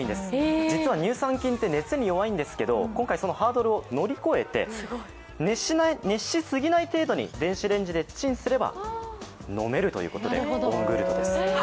実は乳酸菌は熱に弱いんですけれど、今回そのハードルを乗り越えて熱しすぎない程度に電子レンジでチンすれば飲めるということで、温グルトです